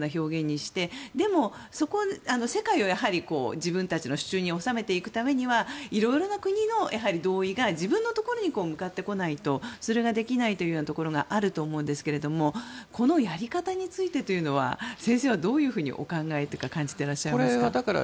でも、世界を自分たちの手中に収めていくためにはいろいろな国の同意が自分のところに向かってこないとそれができないというところがあると思うんですがこのやり方について先生は、どのようにお考えというか感じていらっしゃいますか？